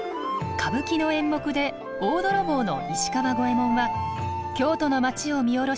歌舞伎の演目で大泥棒の石川五右衛門は京都の街を見下ろし